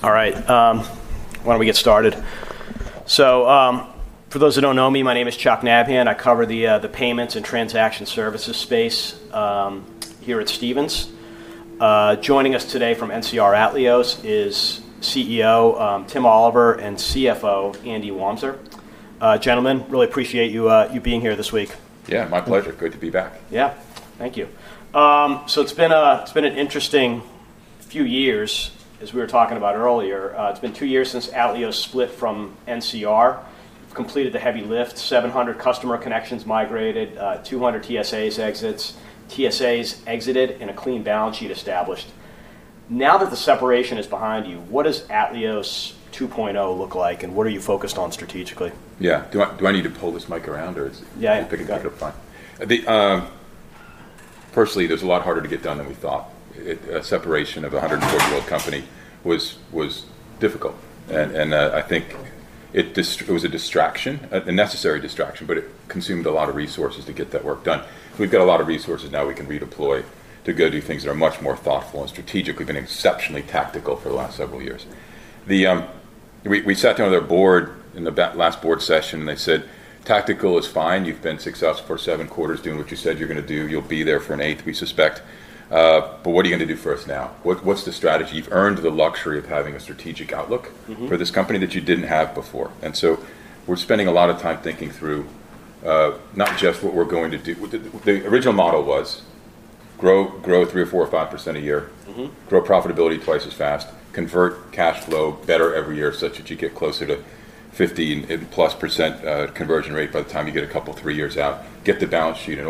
All right. Why don't we get started? For those who don't know me, my name is Chuck Napkin. I cover the payments and transaction services space here at Stephens. Joining us today from NCR Atleos is CEO Tim Oliver and CFO Andy Wamser. Gentlemen, really appreciate you being here this week. Yeah, my pleasure. Good to be back. Yeah. Thank you. It's been an interesting few years, as we were talking about earlier. It's been two years since Atleos split from NCR. You've completed the heavy lift: 700 customer connections migrated, 200 TSA exits, and a clean balance sheet established. Now that the separation is behind you, what does Atleos 2.0 look like, and what are you focused on strategically? Yeah. Do I need to pull this mic around, or is it? Yeah. Pick it up? Fine. Personally, it was a lot harder to get done than we thought. A separation of a 140-year-old company was difficult, and I think it was a distraction, a necessary distraction, but it consumed a lot of resources to get that work done. We've got a lot of resources now we can redeploy to go do things that are much more thoughtful and strategic. We've been exceptionally tactical for the last several years. We sat down with our board in the last board session, and they said, "Tactical is fine. You've been successful for seven quarters doing what you said you're going to do. You'll be there for an eighth, we suspect. What are you going to do for us now? What's the strategy?" You've earned the luxury of having a strategic outlook for this company that you didn't have before. We're spending a lot of time thinking through not just what we're going to do. The original model was grow 3% or 4% or 5% a year, grow profitability twice as fast, convert cash flow better every year such that you get closer to 50+% conversion rate by the time you get a couple or three years out, get the balance sheet in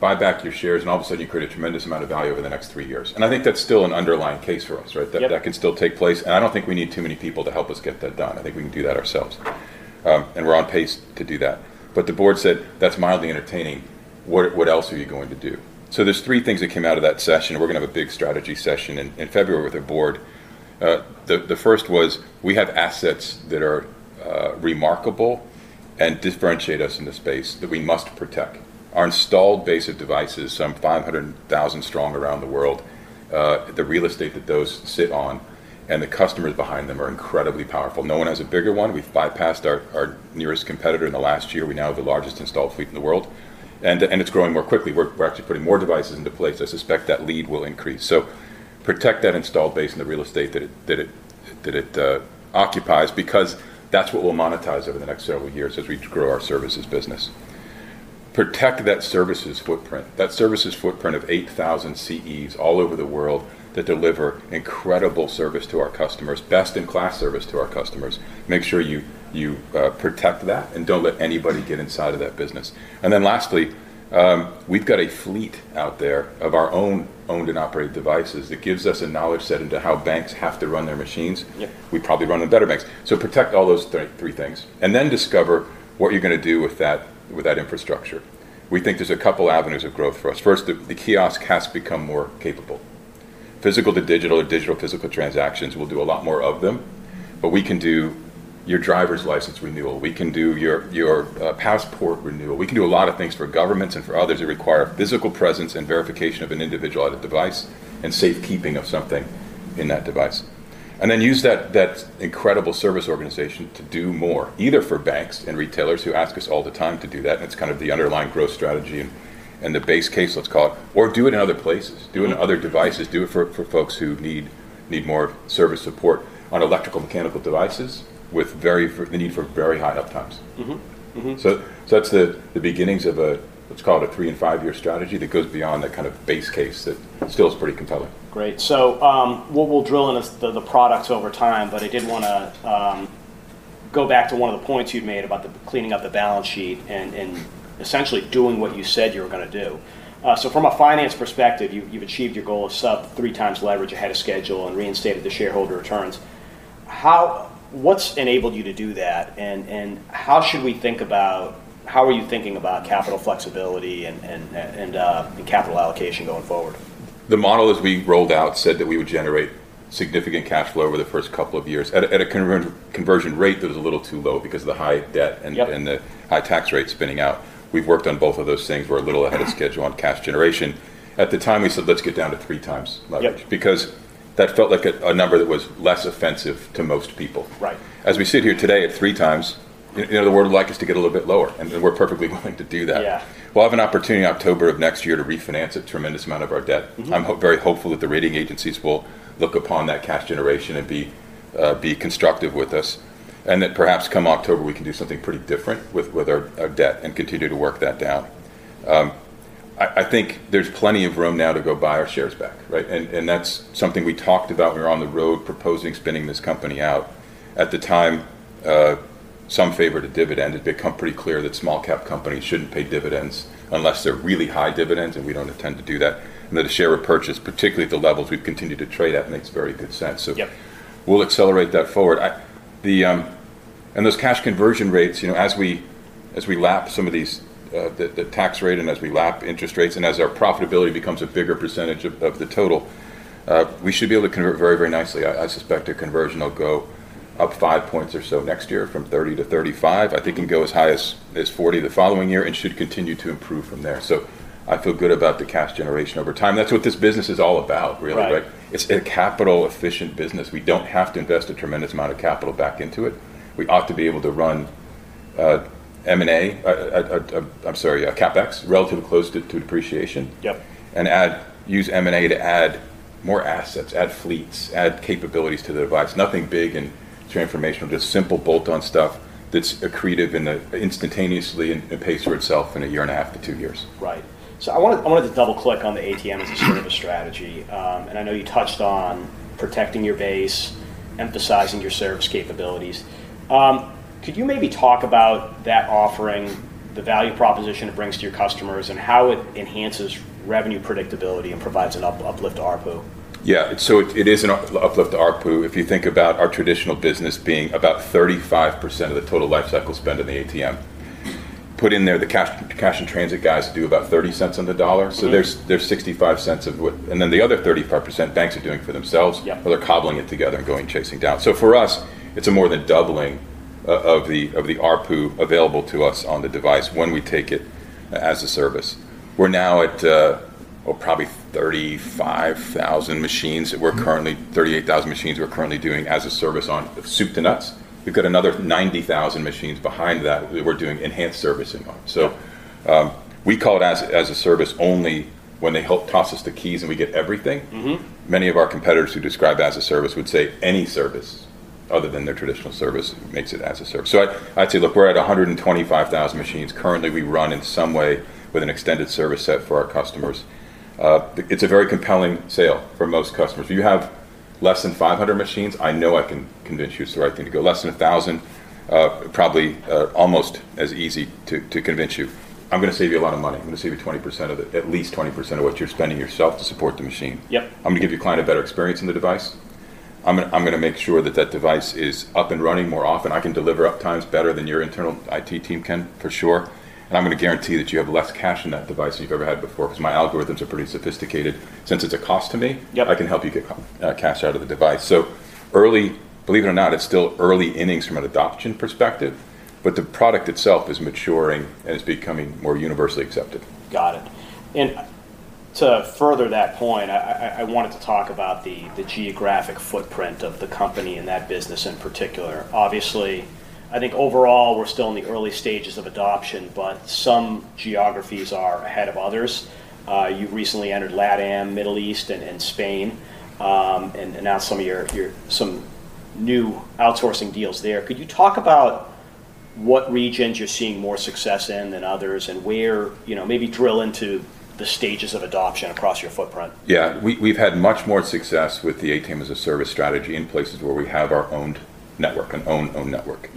order, buy back your shares, and all of a sudden you create a tremendous amount of value over the next three years. I think that's still an underlying case for us, right? That can still take place. I don't think we need too many people to help us get that done. I think we can do that ourselves. We're on pace to do that. The board said, "That's mildly entertaining. What else are you going to do?" There are three things that came out of that session, and we're going to have a big strategy session in February with our board. The first was we have assets that are remarkable and differentiate us in the space that we must protect. Our installed base of devices is some 500,000 strong around the world. The real estate that those sit on and the customers behind them are incredibly powerful. No one has a bigger one. We've bypassed our nearest competitor in the last year. We now have the largest installed fleet in the world, and it's growing more quickly. We're actually putting more devices into place. I suspect that lead will increase. Protect that installed base and the real estate that it occupies because that's what we'll monetize over the next several years as we grow our services business. Protect that services footprint. That services footprint of 8,000 CEs all over the world that deliver incredible service to our customers, best-in-class service to our customers. Make sure you protect that and do not let anybody get inside of that business. Lastly, we have a fleet out there of our own owned and operated devices that gives us a knowledge set into how banks have to run their machines. We probably run them better than banks. Protect all those three things. Discover what you are going to do with that infrastructure. We think there are a couple of avenues of growth for us. First, the kiosk has to become more capable. Physical to digital or digital to physical transactions. We will do a lot more of them. We can do your driver's license renewal. We can do your passport renewal. We can do a lot of things for governments and for others that require physical presence and verification of an individual at a device and safekeeping of something in that device. Then use that incredible service organization to do more, either for banks and retailers who ask us all the time to do that, and it is kind of the underlying growth strategy and the base case, let's call it, or do it in other places. Do it in other devices. Do it for folks who need more service support on electrical mechanical devices with the need for very high uptimes. That is the beginnings of a, let's call it, a three- and five-year strategy that goes beyond that kind of base case that still is pretty compelling. Great. We'll drill into the products over time, but I did want to go back to one of the points you'd made about cleaning up the balance sheet and essentially doing what you said you were going to do. From a finance perspective, you've achieved your goal of sub-three times leverage ahead of schedule and reinstated the shareholder returns. What's enabled you to do that, and how should we think about how are you thinking about capital flexibility and capital allocation going forward? The model as we rolled out said that we would generate significant cash flow over the first couple of years. At a conversion rate, it was a little too low because of the high debt and the high tax rate spinning out. We've worked on both of those things. We're a little ahead of schedule on cash generation. At the time, we said, "Let's get down to three times leverage," because that felt like a number that was less offensive to most people. As we sit here today at three times, the world would like us to get a little bit lower, and we're perfectly willing to do that. We'll have an opportunity in October of next year to refinance a tremendous amount of our debt. I'm very hopeful that the rating agencies will look upon that cash generation and be constructive with us, and that perhaps come October we can do something pretty different with our debt and continue to work that down. I think there's plenty of room now to go buy our shares back, right? That's something we talked about when we were on the road proposing spinning this company out. At the time, some favored a dividend. It had become pretty clear that small-cap companies shouldn't pay dividends unless they're really high dividends, and we don't intend to do that. A share repurchase, particularly at the levels we've continued to trade at, makes very good sense. We'll accelerate that forward. Those cash conversion rates, as we lap some of the tax rate and as we lap interest rates and as our profitability becomes a bigger percentage of the total, we should be able to convert very, very nicely. I suspect our conversion will go up five points or so next year from 30% to 35%. I think it can go as high as 40% the following year and should continue to improve from there. I feel good about the cash generation over time. That is what this business is all about, really, right? It is a capital-efficient business. We do not have to invest a tremendous amount of capital back into it. We ought to be able to run M&A—I am sorry, CapEx—relatively close to depreciation and use M&A to add more assets, add fleets, add capabilities to the device. Nothing big and transformational, just simple bolt-on stuff that's accretive and instantaneously pays for itself in a year and a half to two years. Right. I wanted to double-click on the ATM as a Service strategy. I know you touched on protecting your base, emphasizing your service capabilities. Could you maybe talk about that offering, the value proposition it brings to your customers, and how it enhances revenue predictability and provides an uplift to ARPU? Yeah. It is an uplift to ARPU if you think about our traditional business being about 35% of the total lifecycle spend in the ATM. Put in there, the cash and transit guys do about 30 cents on the dollar. There is 65 cents of what—and then the other 35% banks are doing for themselves, or they are cobbling it together and going and chasing down. For us, it is more than doubling of the ARPU available to us on the device when we take it as a service. We are now at, probably 35,000 machines that we are currently—38,000 machines we are currently doing as a service on soup to nuts. We have got another 90,000 machines behind that that we are doing enhanced servicing on. We call it as a service only when they help toss us the keys and we get everything. Many of our competitors who describe as a service would say any service other than their traditional service makes it as a service. I'd say, look, we're at 125,000 machines currently. We run in some way with an extended service set for our customers. It's a very compelling sale for most customers. If you have fewer than 500 machines, I know I can convince you it's the right thing to go. Fewer than 1,000, probably almost as easy to convince you. I'm going to save you a lot of money. I'm going to save you 20% of it, at least 20% of what you're spending yourself to support the machine. I'm going to give your client a better experience in the device. I'm going to make sure that that device is up and running more often. I can deliver uptimes better than your internal IT team can, for sure. I'm going to guarantee that you have less cash in that device than you've ever had before because my algorithms are pretty sophisticated. Since it's a cost to me, I can help you get cash out of the device. Believe it or not, it's still early innings from an adoption perspective, but the product itself is maturing and is becoming more universally accepted. Got it. To further that point, I wanted to talk about the geographic footprint of the company and that business in particular. Obviously, I think overall we're still in the early stages of adoption, but some geographies are ahead of others. You recently entered LATAM, Middle East, and Spain, and announced some new outsourcing deals there. Could you talk about what regions you're seeing more success in than others and maybe drill into the stages of adoption across your footprint? Yeah. We've had much more success with the ATM as a Service strategy in places where we have our own network, an owned network.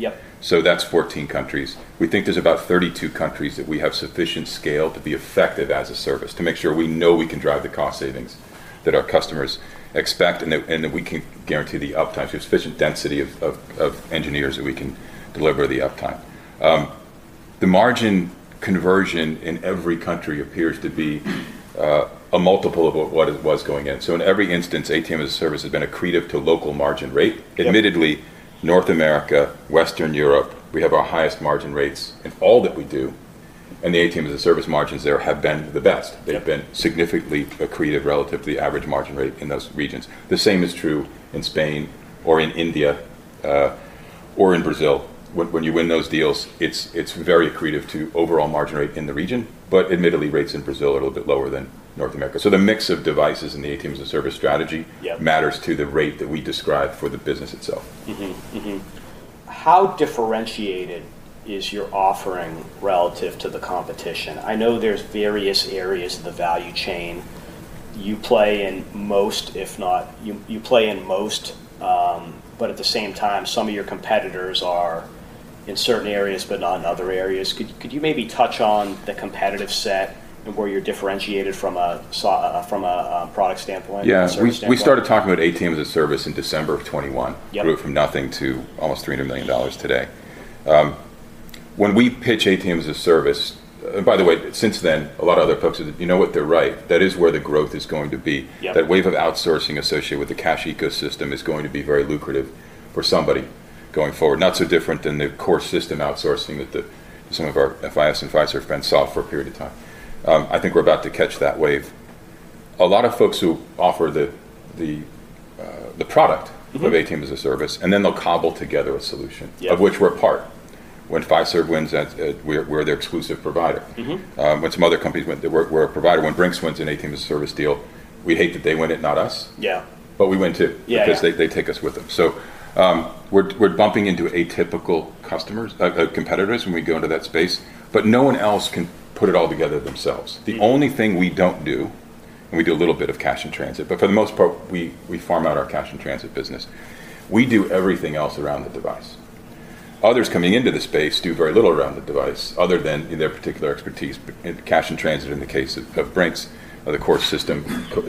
That's 14 countries. We think there's about 32 countries that we have sufficient scale to be effective as a service to make sure we know we can drive the cost savings that our customers expect and that we can guarantee the uptime. Sufficient density of engineers that we can deliver the uptime. The margin conversion in every country appears to be a multiple of what it was going in. In every instance, ATM as a Service has been accretive to local margin rate. Admittedly, North America, Western Europe, we have our highest margin rates in all that we do, and the ATM as a Service margins there have been the best. They've been significantly accretive relative to the average margin rate in those regions. The same is true in Spain or in India or in Brazil. When you win those deals, it's very accretive to overall margin rate in the region, but admittedly, rates in Brazil are a little bit lower than North America. The mix of devices in the ATM as a Service strategy matters to the rate that we describe for the business itself. How differentiated is your offering relative to the competition? I know there's various areas of the value chain. You play in most, if not—you play in most, but at the same time, some of your competitors are in certain areas but not in other areas. Could you maybe touch on the competitive set and where you're differentiated from a product standpoint? Yeah. We started talking about ATM as a Service in December of 2021, grew it from nothing to almost $300 million today. When we pitch ATM as a Service—and by the way, since then, a lot of other folks said, "You know what? They're right. That is where the growth is going to be." That wave of outsourcing associated with the cash ecosystem is going to be very lucrative for somebody going forward. Not so different than the core system outsourcing that some of our FIS and Fiserv have been soft for a period of time. I think we're about to catch that wave. A lot of folks who offer the product of ATM as a Service, and then they'll cobble together a solution of which we're a part. When Fiserv wins at—we're their exclusive provider. When some other companies win—we're a provider. When Brink's wins an ATM as a Service deal, we hate that they win it, not us, but we win too because they take us with them. We are bumping into atypical customers, competitors when we go into that space, but no one else can put it all together themselves. The only thing we do not do—and we do a little bit of cash and transit, but for the most part, we farm out our cash and transit business. We do everything else around the device. Others coming into the space do very little around the device other than their particular expertise. Cash and transit, in the case of Brink's, the core system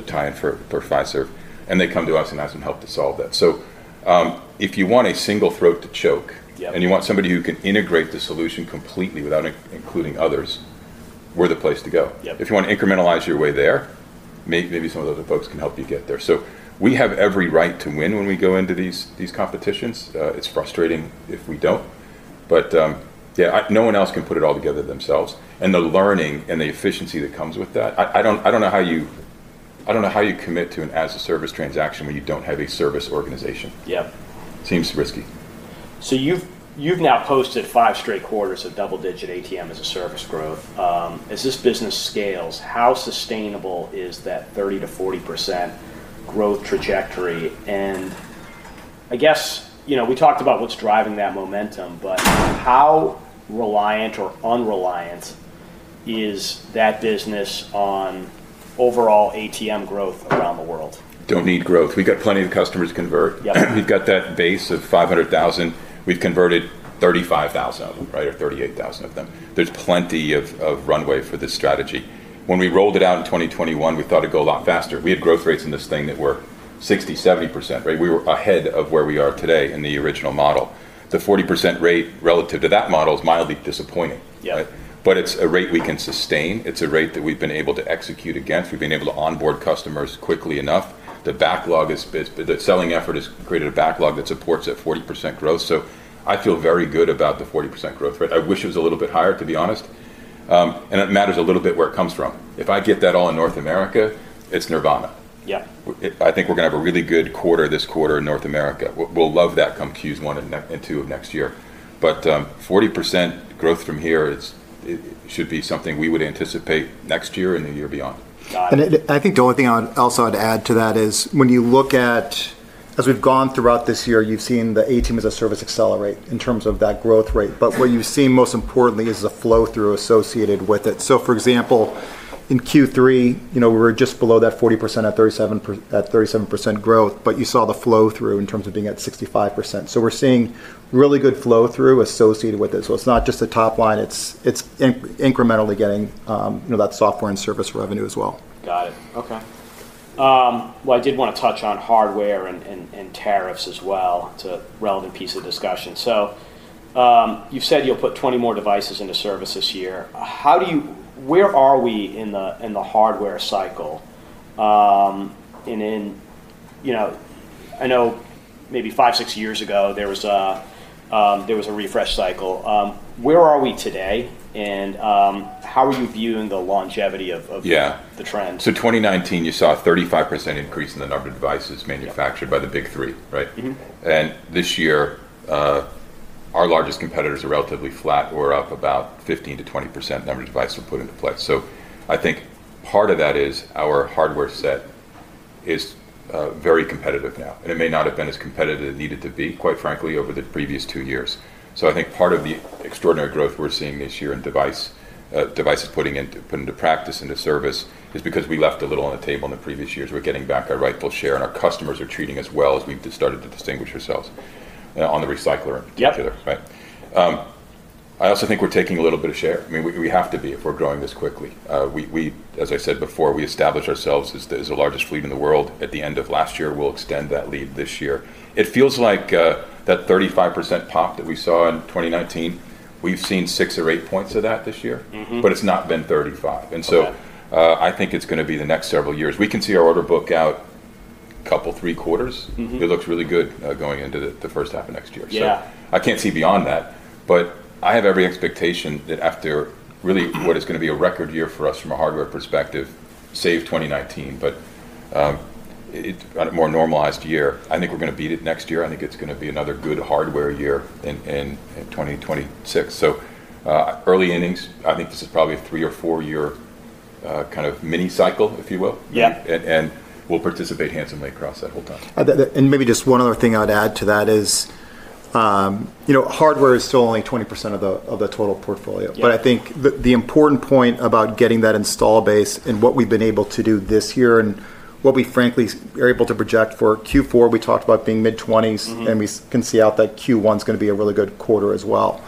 tie-in for FIS, and they come to us and ask them to help to solve that. If you want a single throat to choke and you want somebody who can integrate the solution completely without including others, we're the place to go. If you want to incrementalize your way there, maybe some of those folks can help you get there. We have every right to win when we go into these competitions. It's frustrating if we don't, but yeah, no one else can put it all together themselves. The learning and the efficiency that comes with that, I don't know how you—I don't know how you commit to an as-a-service transaction when you don't have a service organization. Seems risky. You've now posted five straight quarters of double-digit ATM as a Service growth. As this business scales, how sustainable is that 30-40% growth trajectory? I guess we talked about what's driving that momentum, but how reliant or un-reliant is that business on overall ATM growth around the world? Don't need growth. We've got plenty of customers to convert. We've got that base of 500,000. We've converted 35,000 of them, right, or 38,000 of them. There's plenty of runway for this strategy. When we rolled it out in 2021, we thought it'd go a lot faster. We had growth rates in this thing that were 60-70%, right? We were ahead of where we are today in the original model. The 40% rate relative to that model is mildly disappointing, right? But it's a rate we can sustain. It's a rate that we've been able to execute against. We've been able to onboard customers quickly enough. The backlog is—the selling effort has created a backlog that supports that 40% growth. I feel very good about the 40% growth rate. I wish it was a little bit higher, to be honest, and it matters a little bit where it comes from. If I get that all in North America, it's nirvana. I think we're going to have a really good quarter this quarter in North America. We'll love that come Q1 and Q2 of next year. But 40% growth from here should be something we would anticipate next year and the year beyond. I think the only thing I also had to add to that is when you look at—as we've gone throughout this year, you've seen the ATM as a Service accelerate in terms of that growth rate, but what you've seen most importantly is the flow-through associated with it. For example, in Q3, we were just below that 40% at 37% growth, but you saw the flow-through in terms of being at 65%. We're seeing really good flow-through associated with it. It's not just the top line. It's incrementally getting that software and service revenue as well. Got it. Okay. I did want to touch on hardware and tariffs as well. It's a relevant piece of discussion. You've said you'll put 20 more devices into service this year. Where are we in the hardware cycle? I know maybe five, six years ago, there was a refresh cycle. Where are we today, and how are you viewing the longevity of the trend? In 2019, you saw a 35% increase in the number of devices manufactured by the big three, right? This year, our largest competitors are relatively flat. We're up about 15%-20% in the number of devices we're putting into place. I think part of that is our hardware set is very competitive now. It may not have been as competitive as it needed to be, quite frankly, over the previous two years. I think part of the extraordinary growth we're seeing this year in devices putting into practice and into service is because we left a little on the table in the previous years. We're getting back our rightful share, and our customers are treating us well as we've started to distinguish ourselves on the recycler in particular, right? I also think we're taking a little bit of share. I mean, we have to be if we're growing this quickly. As I said before, we established ourselves as the largest fleet in the world. At the end of last year, we'll extend that lead this year. It feels like that 35% pop that we saw in 2019, we've seen six or eight points of that this year, but it's not been 35%. I think it's going to be the next several years. We can see our order book out a couple of three quarters. It looks really good going into the first half of next year. I can't see beyond that, but I have every expectation that after really what is going to be a record year for us from a hardware perspective, save 2019, but a more normalized year, I think we're going to beat it next year. I think it's going to be another good hardware year in 2026. Early innings, I think this is probably a three or four-year kind of mini cycle, if you will, and we'll participate handsomely across that whole time. Maybe just one other thing I'd add to that is hardware is still only 20% of the total portfolio, but I think the important point about getting that install base and what we've been able to do this year and what we frankly are able to project for Q4, we talked about being mid-20s, and we can see out that Q1 is going to be a really good quarter as well.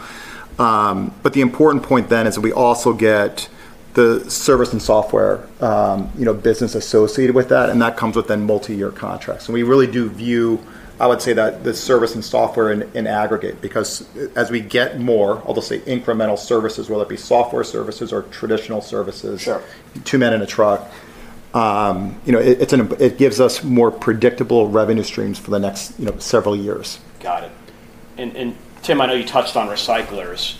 The important point then is that we also get the service and software business associated with that, and that comes with then multi-year contracts. We really do view, I would say, the service and software in aggregate because as we get more, I'll just say incremental services, whether it be software services or traditional services, two men in a truck, it gives us more predictable revenue streams for the next several years. Got it. Tim, I know you touched on recyclers,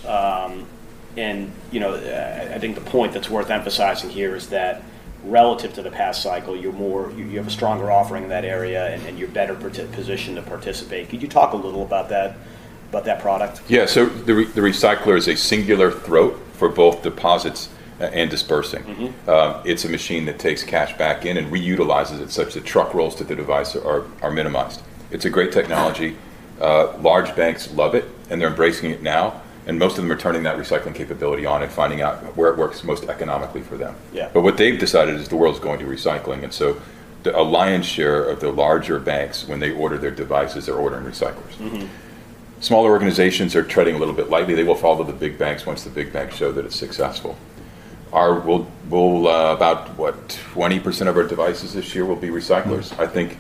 and I think the point that's worth emphasizing here is that relative to the past cycle, you have a stronger offering in that area, and you're better positioned to participate. Could you talk a little about that product? Yeah. The recycler is a singular throat for both deposits and dispersing. It's a machine that takes cash back in and reutilizes it such that truck rolls to the device are minimized. It's a great technology. Large banks love it, and they're embracing it now, and most of them are turning that recycling capability on and finding out where it works most economically for them. What they've decided is the world's going to recycling, and the lion's share of the larger banks, when they order their devices, they're ordering recyclers. Smaller organizations are treading a little bit lightly. They will follow the big banks once the big banks show that it's successful. About 20% of our devices this year will be recyclers. I think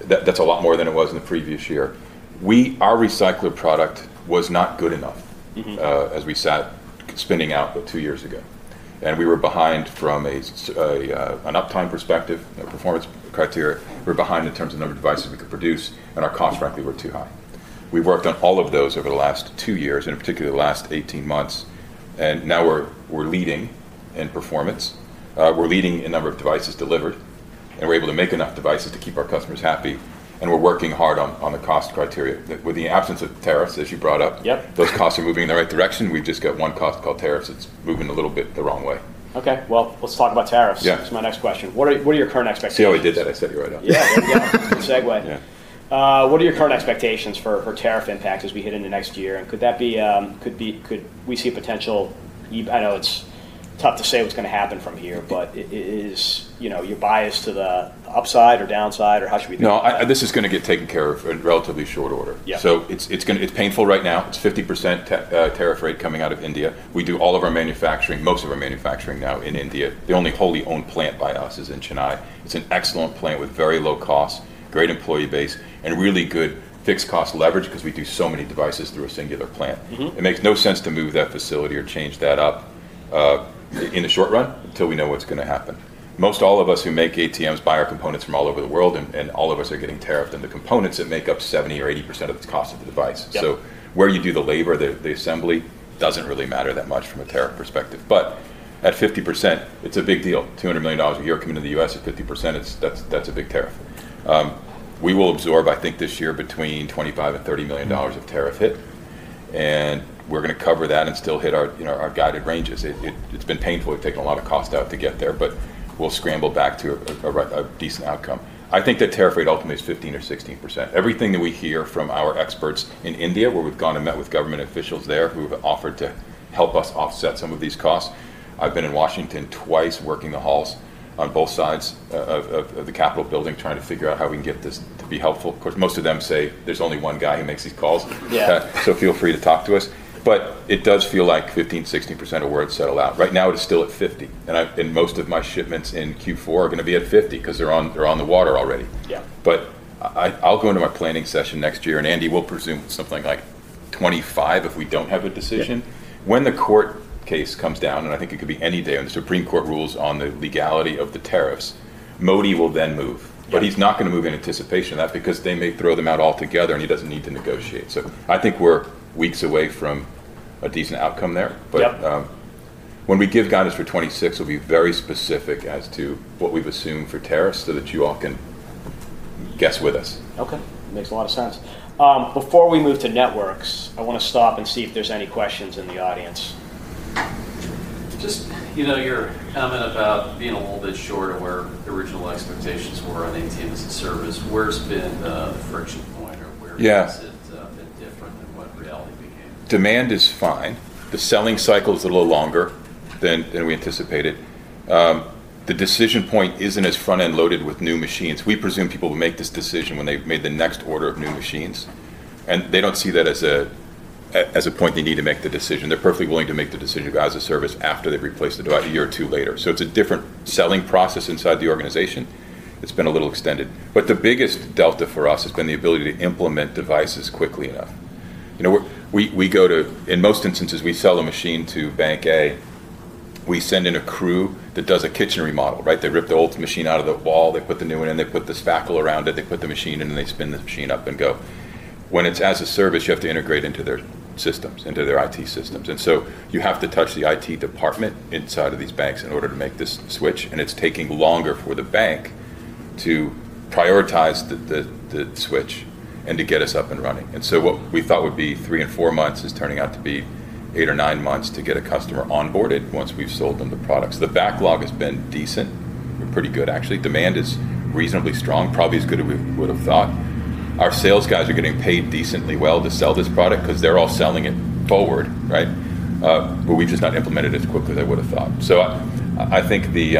that's a lot more than it was in the previous year. Our recycler product was not good enough as we sat spinning out two years ago, and we were behind from an uptime perspective, performance criteria. We were behind in terms of number of devices we could produce, and our costs, frankly, were too high. We've worked on all of those over the last two years, and in particular, the last 18 months, and now we're leading in performance. We're leading in number of devices delivered, and we're able to make enough devices to keep our customers happy, and we're working hard on the cost criteria. With the absence of tariffs, as you brought up, those costs are moving in the right direction. We've just got one cost called tariffs that's moving a little bit the wrong way. Okay. Let's talk about tariffs. That's my next question. What are your current expectations? See, I already did that. I said it right off. Yeah. Good segue. What are your current expectations for tariff impact as we head into next year? Could that be—could we see a potential—I know it's tough to say what's going to happen from here, but is your bias to the upside or downside, or how should we think about it? No, this is going to get taken care of in relatively short order. It is painful right now. It is a 50% tariff rate coming out of India. We do all of our manufacturing, most of our manufacturing now in India. The only wholly owned plant by us is in Chennai. It is an excellent plant with very low costs, great employee base, and really good fixed cost leverage because we do so many devices through a singular plant. It makes no sense to move that facility or change that up in the short run until we know what is going to happen. Most all of us who make ATMs buy our components from all over the world, and all of us are getting tariffed on the components that make up 70% or 80% of the cost of the device. Where you do the labor, the assembly does not really matter that much from a tariff perspective. At 50%, it is a big deal. $200 million a year coming to the U.S. at 50% is a big tariff. We will absorb, I think, this year between $25-$30 million of tariff hit, and we are going to cover that and still hit our guided ranges. It has been painful. We have taken a lot of cost out to get there, but we will scramble back to a decent outcome. I think that tariff rate ultimately is 15% or 16%. Everything that we hear from our experts in India, where we have gone and met with government officials there who have offered to help us offset some of these costs. I've been in Washington twice working the halls on both sides of the Capitol building trying to figure out how we can get this to be helpful. Of course, most of them say there's only one guy who makes these calls, so feel free to talk to us. It does feel like 15-16% of where it's settled out. Right now, it is still at 50%, and most of my shipments in Q4 are going to be at 50% because they're on the water already. I'll go into my planning session next year, and Andy will presume something like 25% if we don't have a decision. When the court case comes down, and I think it could be any day when the Supreme Court rules on the legality of the tariffs, Modi will then move. He is not going to move in anticipation of that because they may throw them out altogether, and he does not need to negotiate. I think we are weeks away from a decent outcome there. When we give guidance for 2026, we will be very specific as to what we have assumed for tariffs so that you all can guess with us. Okay. Makes a lot of sense. Before we move to networks, I want to stop and see if there's any questions in the audience. Just your comment about being a little bit short of where the original expectations were on ATM as a Service. Where's been the friction point, or where has it been different than what reality became? Demand is fine. The selling cycle is a little longer than we anticipated. The decision point isn't as front-end loaded with new machines. We presume people will make this decision when they've made the next order of new machines, and they don't see that as a point they need to make the decision. They're perfectly willing to make the decision of as a service after they've replaced the device a year or two later. It is a different selling process inside the organization. It has been a little extended. The biggest delta for us has been the ability to implement devices quickly enough. In most instances, we sell a machine to Bank A. We send in a crew that does a kitchen remodel, right? They rip the old machine out of the wall. They put the new one in. They put the spackle around it. They put the machine in, and they spin the machine up and go. When it's as a service, you have to integrate into their systems, into their IT systems. You have to touch the IT department inside of these banks in order to make this switch, and it's taking longer for the bank to prioritize the switch and to get us up and running. What we thought would be three and four months is turning out to be eight or nine months to get a customer onboarded once we've sold them the products. The backlog has been decent. We're pretty good, actually. Demand is reasonably strong, probably as good as we would have thought. Our sales guys are getting paid decently well to sell this product because they're all selling it forward, right? We've just not implemented it as quickly as I would have thought. I think the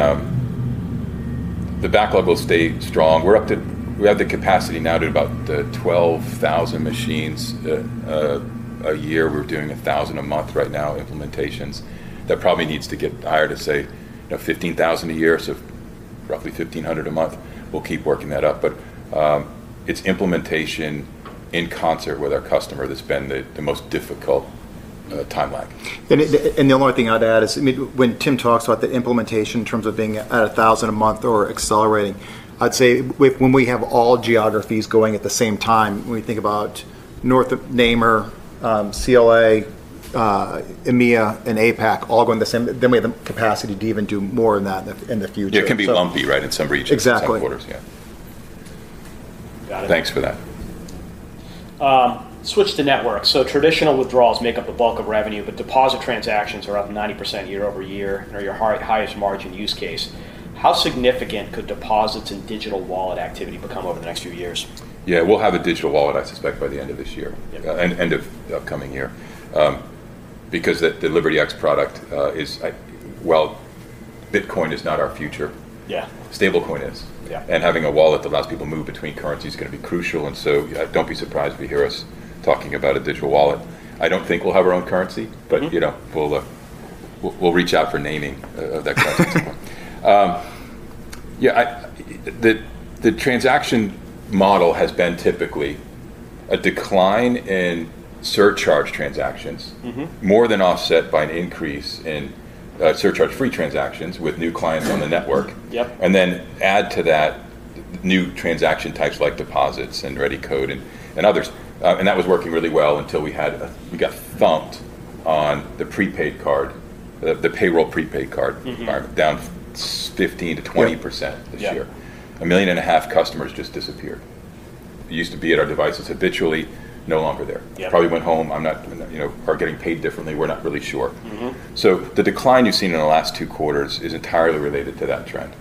backlog will stay strong. We have the capacity now to about 12,000 machines a year. We're doing 1,000 a month right now implementations. That probably needs to get higher to say 15,000 a year, so roughly 1,500 a month. We'll keep working that up. It is implementation in concert with our customer that's been the most difficult timeline. The only thing I'd add is when Tim talks about the implementation in terms of being at 1,000 a month or accelerating, I'd say when we have all geographies going at the same time, when we think about North America, CLA, EMEA, and APAC all going the same, then we have the capacity to even do more than that in the future. Yeah. It can be bumpy, right, in some regions, some quarters. Yeah. Thanks for that. Switch to networks. Traditional withdrawals make up the bulk of revenue, but deposit transactions are up 90% year over year and are your highest margin use case. How significant could deposits and digital wallet activity become over the next few years? Yeah. We'll have a digital wallet, I suspect, by the end of this year and end of the upcoming year because the LibertyX product is, well, Bitcoin is not our future. Stablecoin is. Having a wallet that allows people to move between currencies is going to be crucial. Do not be surprised if you hear us talking about a digital wallet. I do not think we'll have our own currency, but we'll reach out for naming of that customer. Yeah. The transaction model has been typically a decline in surcharge transactions, more than offset by an increase in surcharge-free transactions with new clients on the network. Add to that new transaction types like deposits and Ready Code and others. That was working really well until we got thumped on the prepaid card, the payroll prepaid card environment, down 15%-20% this year. A million and a half customers just disappeared. It used to be at our devices, habitually, no longer there. Probably went home. I'm not getting paid differently. We're not really sure. The decline you've seen in the last two quarters is entirely related to that trend.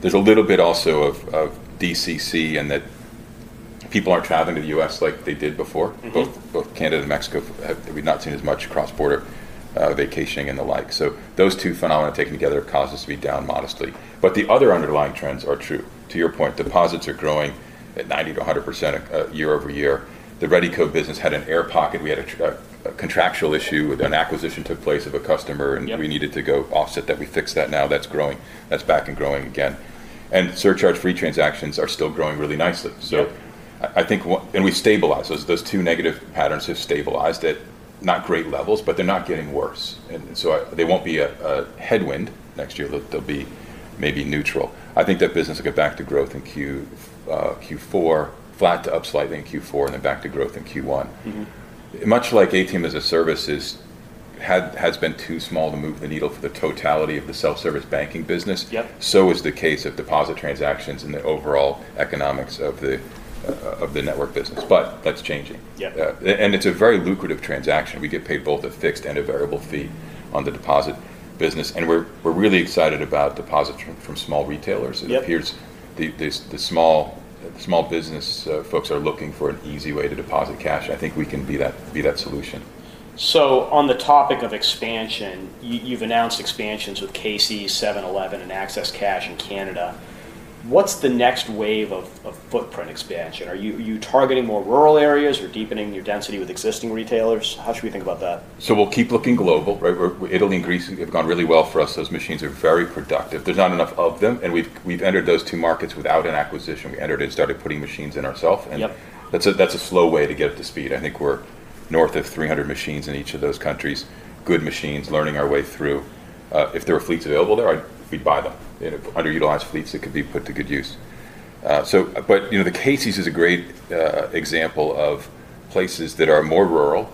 There's a little bit also of DCC in that people aren't traveling to the U.S. like they did before. Both Canada and Mexico, we've not seen as much cross-border vacationing and the like. Those two phenomena taken together cause us to be down modestly. The other underlying trends are true. To your point, deposits are growing at 90-100% year over year. The Ready Code business had an air pocket. We had a contractual issue with an acquisition that took place of a customer, and we needed to go offset that. We fixed that now. That's growing. That's back and growing again. Surcharge-free transactions are still growing really nicely. We've stabilized. Those two negative patterns have stabilized at not great levels, but they're not getting worse. They won't be a headwind next year. They'll be maybe neutral. I think that business will get back to growth in Q4, flat to up slightly in Q4, and then back to growth in Q1. Much like ATM as a Service has been too small to move the needle for the totality of the self-service banking business, so is the case of deposit transactions and the overall economics of the network business. That's changing. It's a very lucrative transaction. We get paid both a fixed and a variable fee on the deposit business. We're really excited about deposits from small retailers. It appears the small business folks are looking for an easy way to deposit cash. I think we can be that solution. On the topic of expansion, you've announced expansions with Circle K, 7-Eleven, and Access Cash in Canada. What's the next wave of footprint expansion? Are you targeting more rural areas or deepening your density with existing retailers? How should we think about that? We'll keep looking global, right? Italy and Greece have gone really well for us. Those machines are very productive. There's not enough of them, and we've entered those two markets without an acquisition. We entered and started putting machines in ourself, and that's a slow way to get up to speed. I think we're north of 300 machines in each of those countries, good machines, learning our way through. If there were fleets available there, we'd buy them. Underutilized fleets that could be put to good use. The KCs is a great example of places that are more rural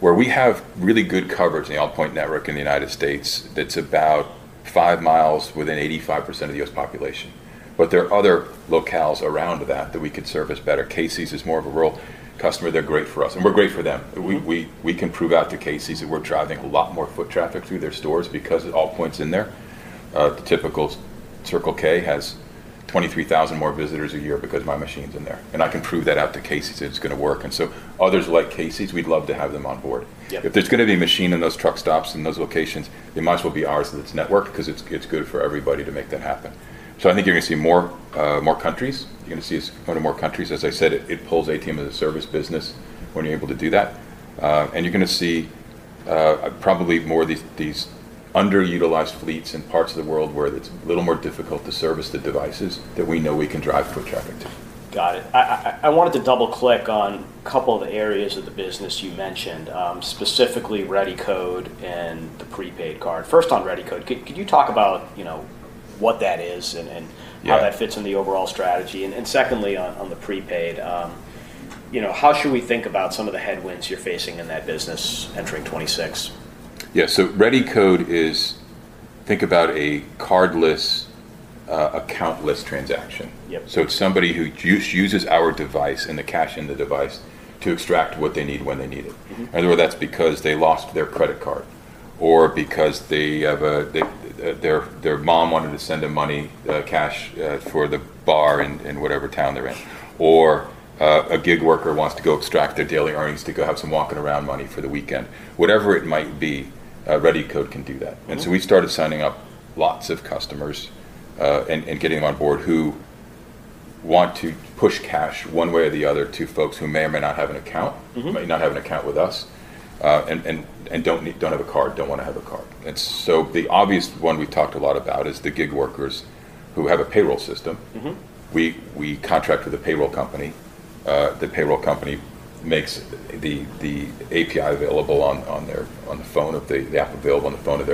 where we have really good coverage in the Allpoint Network in the United States that's about five miles within 85% of the U.S. population. There are other locales around that that we could service better. KCs is more of a rural customer. They're great for us, and we're great for them. We can prove out to Circle K that we're driving a lot more foot traffic through their stores because Allpoint's in there. The typical Circle K has 23,000 more visitors a year because my machine's in there. I can prove that out to Circle K that it's going to work. Others like Circle K, we'd love to have them on board. If there's going to be a machine in those truck stops in those locations, it might as well be ours that's networked because it's good for everybody to make that happen. I think you're going to see more countries. You're going to see us go to more countries. As I said, it pulls ATM as a Service business when you're able to do that. You're going to see probably more of these underutilized fleets in parts of the world where it's a little more difficult to service the devices that we know we can drive foot traffic to. Got it. I wanted to double-click on a couple of the areas of the business you mentioned, specifically Ready Code and the prepaid card. First, on Ready Code, could you talk about what that is and how that fits in the overall strategy? Secondly, on the prepaid, how should we think about some of the headwinds you're facing in that business entering 2026? Yeah. Ready Code is, think about a cardless, accountless transaction. It is somebody who just uses our device and the cash in the device to extract what they need when they need it. In other words, that is because they lost their credit card or because their mom wanted to send them money, cash for the bar in whatever town they are in. Or a gig worker wants to go extract their daily earnings to go have some walking around money for the weekend. Whatever it might be, Ready Code can do that. We have started signing up lots of customers and getting them on board who want to push cash one way or the other to folks who may or may not have an account, may not have an account with us, and do not have a card, do not want to have a card. The obvious one we've talked a lot about is the gig workers who have a payroll system. We contract with a payroll company. The payroll company makes the API available on the phone of the app available on the phone of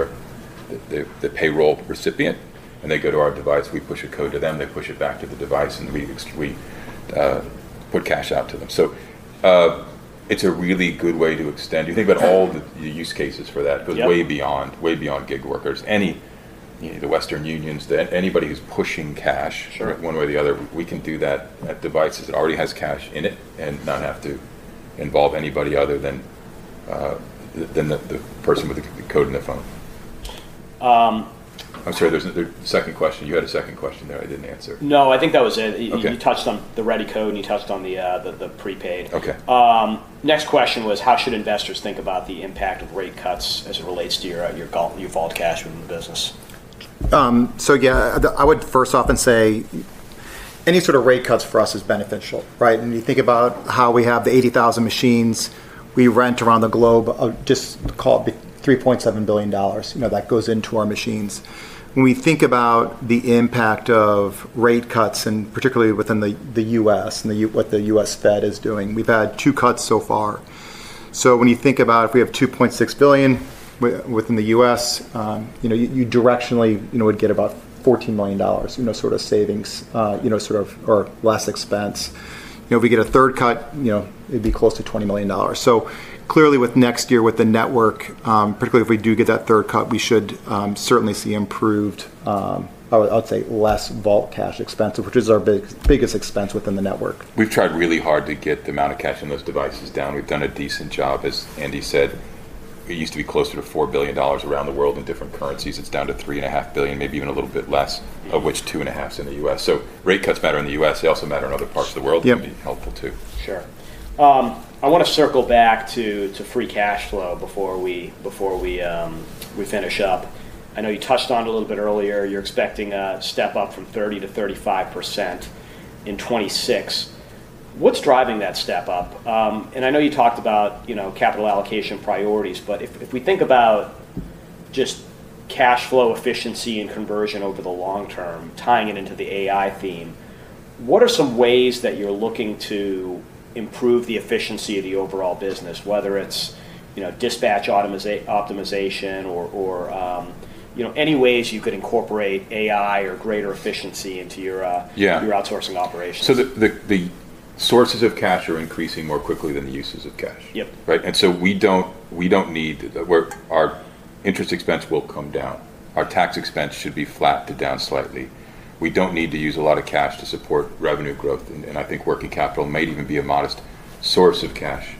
the payroll recipient, and they go to our device. We push a code to them. They push it back to the device, and we put cash out to them. It is a really good way to extend. You think about all the use cases for that. It goes way beyond gig workers. The Western Unions, anybody who's pushing cash one way or the other, we can do that at devices that already have cash in it and not have to involve anybody other than the person with the code in the phone. I'm sorry. The second question. You had a second question there I didn't answer. No. I think that was it. You touched on the Ready Code, and you touched on the prepaid. Next question was, how should investors think about the impact of rate cuts as it relates to your vault cash within the business? Yeah, I would first off and say any sort of rate cuts for us is beneficial, right? You think about how we have the 80,000 machines we rent around the globe, just call it $3.7 billion that goes into our machines. When we think about the impact of rate cuts, and particularly within the U.S. and what the U.S. Fed is doing, we've had two cuts so far. When you think about if we have $2.6 billion within the U.S., you directionally would get about $14 million sort of savings or less expense. If we get a third cut, it'd be close to $20 million. Clearly, with next year, with the network, particularly if we do get that third cut, we should certainly see improved, I would say, less vault cash expenses, which is our biggest expense within the network. We've tried really hard to get the amount of cash in those devices down. We've done a decent job, as Andy said. It used to be closer to $4 billion around the world in different currencies. It's down to $3.5 billion, maybe even a little bit less, of which $2.5 billion is in the U.S. Rate cuts matter in the U.S. They also matter in other parts of the world. It can be helpful too. Sure. I want to circle back to free cash flow before we finish up. I know you touched on it a little bit earlier. You're expecting a step up from 30-35% in 2026. What's driving that step up? I know you talked about capital allocation priorities, but if we think about just cash flow efficiency and conversion over the long term, tying it into the AI theme, what are some ways that you're looking to improve the efficiency of the overall business, whether it's dispatch optimization or any ways you could incorporate AI or greater efficiency into your outsourcing operations? The sources of cash are increasing more quickly than the uses of cash, right? We don't need our interest expense will come down. Our tax expense should be flat to down slightly. We don't need to use a lot of cash to support revenue growth. I think working capital may even be a modest source of cash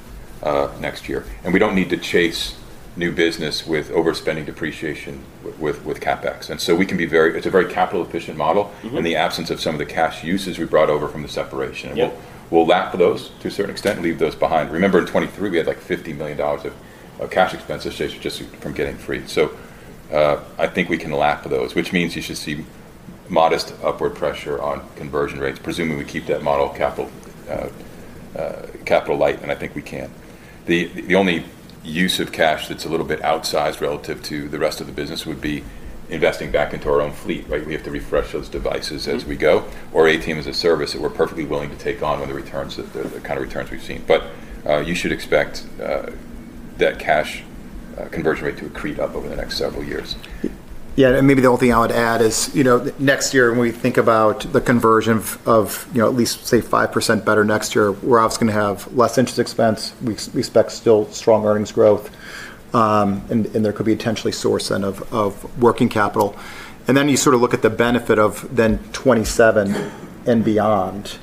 next year. We don't need to chase new business with overspending depreciation with CapEx. We can be very, it's a very capital-efficient model in the absence of some of the cash uses we brought over from the separation. We'll lap those to a certain extent and leave those behind. Remember, in 2023, we had like $50 million of cash expenses just from getting free. I think we can lap those, which means you should see modest upward pressure on conversion rates, presuming we keep that capital light, and I think we can. The only use of cash that's a little bit outsized relative to the rest of the business would be investing back into our own fleet, right? We have to refresh those devices as we go, or ATM as a Service that we're perfectly willing to take on when the returns, the kind of returns we've seen. You should expect that cash conversion rate to accrete up over the next several years. Yeah. Maybe the only thing I would add is next year, when we think about the conversion of at least, say, 5% better next year, we're obviously going to have less interest expense. We expect still strong earnings growth, and there could be a potentially source of working capital. You sort of look at the benefit of 2027 and beyond.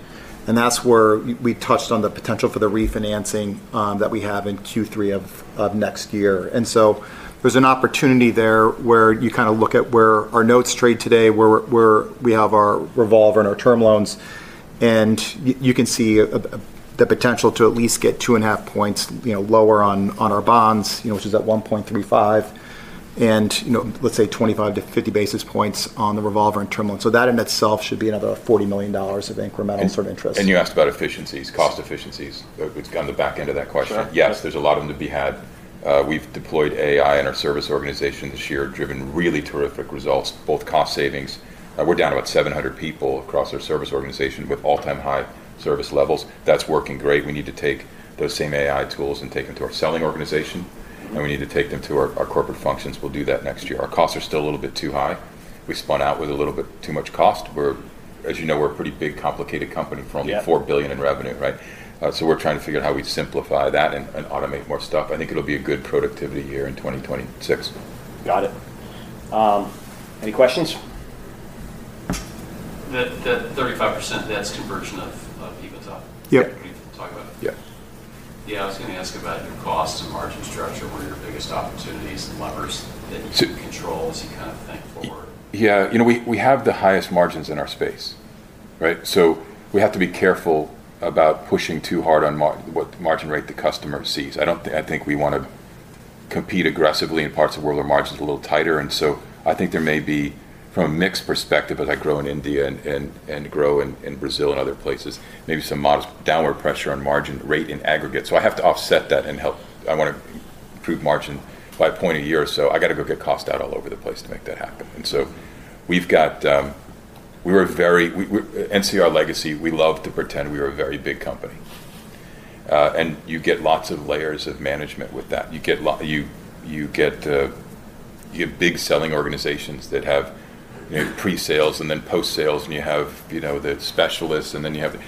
That is where we touched on the potential for the refinancing that we have in Q3 of next year. There is an opportunity there where you kind of look at where our notes trade today, where we have our revolver and our term loans, and you can see the potential to at least get 2.5 percentage points lower on our bonds, which is at 1.35, and let's say 25-50 basis points on the revolver and term loans. That in itself should be another $40 million of incremental sort of interest. You asked about efficiencies, cost efficiencies. It is on the back end of that question. Yes, there is a lot of them to be had. We have deployed AI in our service organization this year, driven really terrific results, both cost savings. We are down about 700 people across our service organization with all-time high service levels. That is working great. We need to take those same AI tools and take them to our selling organization, and we need to take them to our corporate functions. We will do that next year. Our costs are still a little bit too high. We spun out with a little bit too much cost. As you know, we are a pretty big, complicated company for only $4 billion in revenue, right? We are trying to figure out how we simplify that and automate more stuff. I think it will be a good productivity year in 2026. Got it. Any questions? That 35% debt's conversion of PIVOTOP. Can you talk about it? Yeah. Yeah. I was going to ask about your cost and margin structure. What are your biggest opportunities and levers that you control as you kind of think forward? Yeah. We have the highest margins in our space, right? We have to be careful about pushing too hard on what margin rate the customer sees. I think we want to compete aggressively in parts of the world where margins are a little tighter. I think there may be, from a mixed perspective, as I grow in India and grow in Brazil and other places, maybe some modest downward pressure on margin rate in aggregate. I have to offset that and help. I want to improve margin by a point a year. I got to go get costs out all over the place to make that happen. We were very NCR Legacy, we love to pretend we were a very big company. You get lots of layers of management with that. You get big selling organizations that have pre-sales and then post-sales, and you have the specialists, and then you have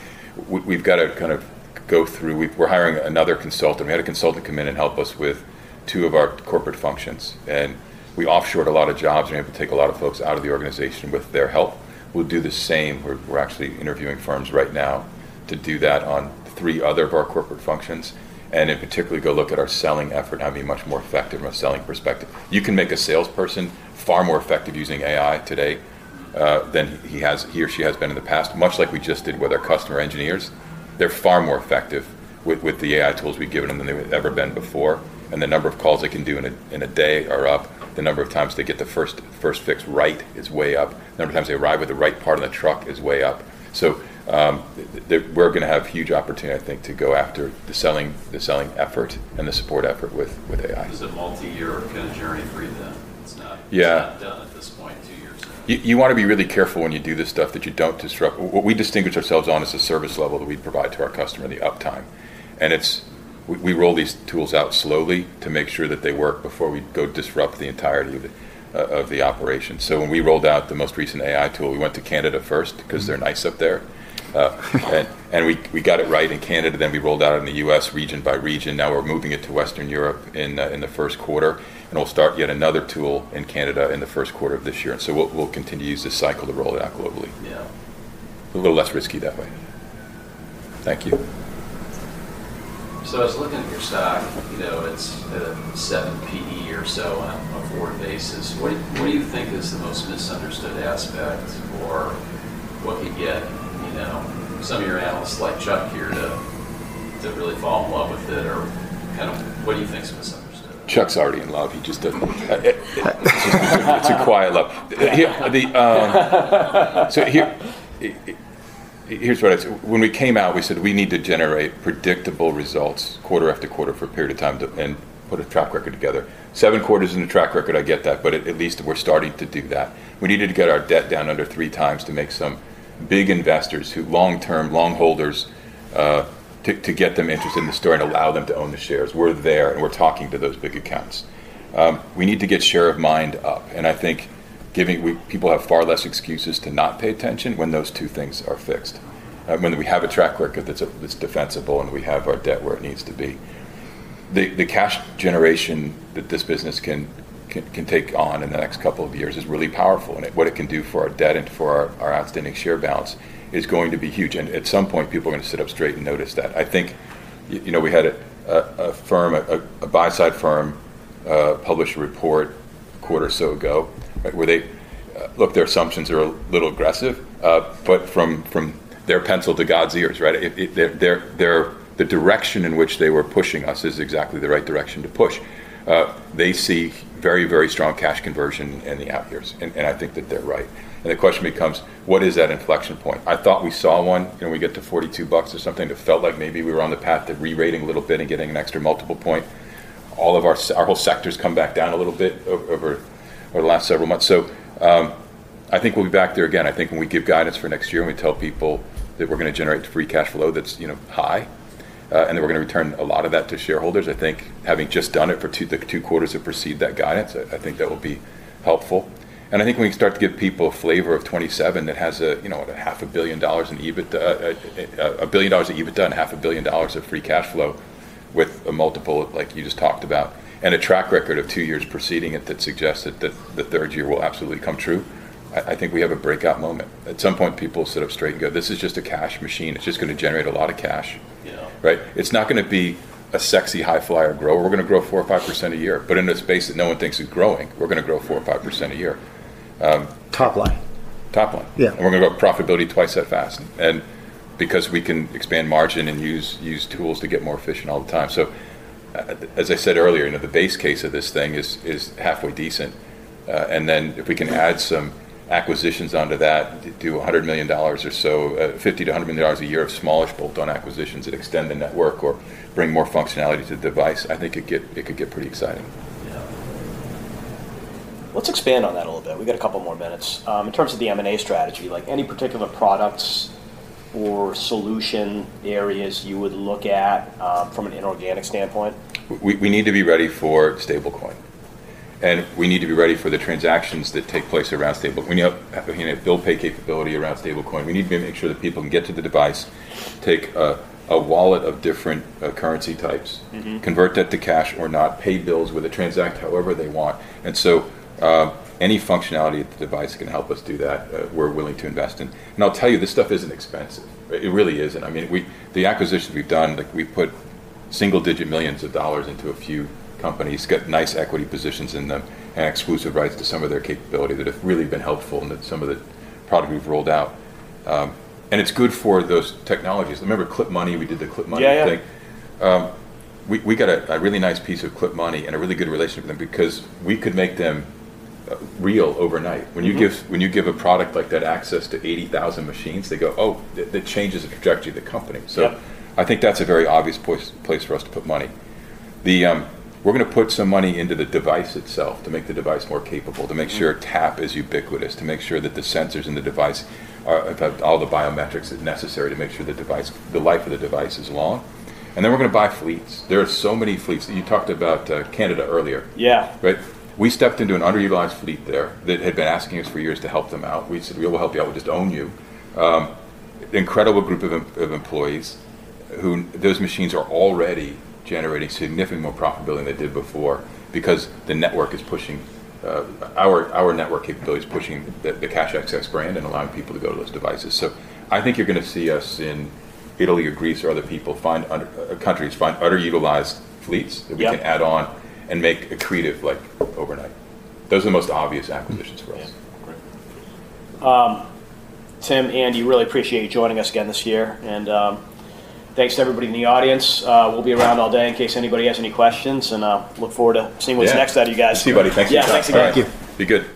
we've got to kind of go through. We're hiring another consultant. We had a consultant come in and help us with two of our corporate functions. And we offshored a lot of jobs, and we have to take a lot of folks out of the organization with their help. We'll do the same. We're actually interviewing firms right now to do that on three other of our corporate functions, and in particular, go look at our selling effort and how to be much more effective from a selling perspective. You can make a salesperson far more effective using AI today than he or she has been in the past, much like we just did with our customer engineers. They're far more effective with the AI tools we've given them than they've ever been before. The number of calls they can do in a day are up. The number of times they get the first fix right is way up. The number of times they arrive with the right part of the truck is way up. We are going to have a huge opportunity, I think, to go after the selling effort and the support effort with AI. Is it a multi-year kind of journey for you then? It's not done at this point, two years in? You want to be really careful when you do this stuff that you don't disrupt. What we distinguish ourselves on is the service level that we provide to our customer in the uptime. We roll these tools out slowly to make sure that they work before we go disrupt the entirety of the operation. When we rolled out the most recent AI tool, we went to Canada first because they're nice up there. We got it right in Canada. Then we rolled out in the U.S. region by region. Now we're moving it to Western Europe in the first quarter. We will start yet another tool in Canada in the first quarter of this year. We will continue to use this cycle to roll it out globally. Yeah. A little less risky that way. Thank you. I was looking at your stock. It's 7 PE or so on a board basis. What do you think is the most misunderstood aspect or what could get some of your analysts like Chuck here to really fall in love with it? Or kind of what do you think is misunderstood? Chuck's already in love. He just doesn't, it's a quiet love. Here's what I said. When we came out, we said we need to generate predictable results quarter after quarter for a period of time and put a track record together. Seven quarters in the track record, I get that, but at least we're starting to do that. We needed to get our debt down under three times to make some big investors who are long-term, long holders, to get them interested in the story and allow them to own the shares. We're there, and we're talking to those big accounts. We need to get share of mind up. I think people have far less excuses to not pay attention when those two things are fixed, when we have a track record that's defensible and we have our debt where it needs to be. The cash generation that this business can take on in the next couple of years is really powerful. What it can do for our debt and for our outstanding share balance is going to be huge. At some point, people are going to sit up straight and notice that. I think we had a firm, a buy-side firm, publish a report a quarter or so ago where they looked at their assumptions that are a little aggressive, but from their pencil to God's ears, right? The direction in which they were pushing us is exactly the right direction to push. They see very, very strong cash conversion in the out years. I think that they're right. The question becomes, what is that inflection point? I thought we saw one, and we get to $42 or something. It felt like maybe we were on the path to re-rating a little bit and getting an extra multiple point. All of our whole sector has come back down a little bit over the last several months. I think we will be back there again. I think when we give guidance for next year and we tell people that we are going to generate free cash flow that is high and that we are going to return a lot of that to shareholders, I think having just done it for the two quarters that preceded that guidance, I think that will be helpful. I think when we start to give people a flavor of 2027 that has $500 million in EBITDA, $1 billion in EBITDA and $500 million of free cash flow with a multiple like you just talked about, and a track record of two years preceding it that suggests that the third year will absolutely come true, I think we have a breakout moment. At some point, people will sit up straight and go, "This is just a cash machine. It's just going to generate a lot of cash," right? It's not going to be a sexy high-flyer growth. We're going to grow 4% or 5% a year. In a space that no one thinks is growing, we're going to grow 4% or 5% a year. Top line. Top line. We are going to grow profitability twice that fast because we can expand margin and use tools to get more efficient all the time. As I said earlier, the base case of this thing is halfway decent. If we can add some acquisitions onto that, do $100 million or so, $50-$100 million a year of smallish bolt-on acquisitions that extend the network or bring more functionality to the device, I think it could get pretty exciting. Yeah. Let's expand on that a little bit. We've got a couple more minutes. In terms of the M&A strategy, any particular products or solution areas you would look at from an inorganic standpoint? We need to be ready for Stablecoin. We need to be ready for the transactions that take place around Stablecoin. We have Bill Pay capability around Stablecoin. We need to make sure that people can get to the device, take a wallet of different currency types, convert that to cash or not, pay bills with it, transact however they want. Any functionality at the device can help us do that, we are willing to invest in. I will tell you, this stuff is not expensive. It really is not. I mean, the acquisitions we have done, we have put single-digit millions of dollars into a few companies, got nice equity positions in them, and exclusive rights to some of their capability that have really been helpful in some of the product we have rolled out. It is good for those technologies. Remember Clip Money? We did the Clip Money thing. We got a really nice piece of Clip Money and a really good relationship with them because we could make them real overnight. When you give a product like that access to 80,000 machines, they go, "Oh, that changes the trajectory of the company." I think that's a very obvious place for us to put money. We're going to put some money into the device itself to make the device more capable, to make sure TAP is ubiquitous, to make sure that the sensors in the device have all the biometrics necessary to make sure the life of the device is long. We are going to buy fleets. There are so many fleets. You talked about Canada earlier, right? We stepped into an underutilized fleet there that had been asking us for years to help them out. We said, "We will help you. I will just own you. Incredible group of employees. Those machines are already generating significantly more profitability than they did before because the network is pushing, our network capability is pushing the Cash Access brand and allowing people to go to those devices. I think you're going to see us in Italy or Greece or other countries find underutilized fleets that we can add on and make accretive like overnight. Those are the most obvious acquisitions for us. Yeah. Great. Tim, Andy, really appreciate you joining us again this year. Thanks to everybody in the audience. We will be around all day in case anybody has any questions. Look forward to seeing what is next out of you guys. See you, buddy. Thank you. Yeah. Thanks again. Thank you. Be good.